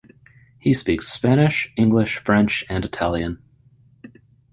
He speaks Spanish, English, French and Italian.